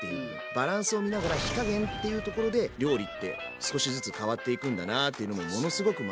バランスを見ながら火加減っていうところで料理って少しずつ変わっていくんだなっていうのもものすごく学べた。